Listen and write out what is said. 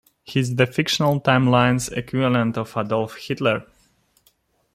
He is the fictional timeline's equivalent of Adolf Hitler.